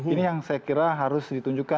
ini yang saya kira harus ditunjukkan